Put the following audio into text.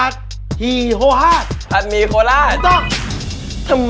อะไรก็ไม่รู้อ่ะแชป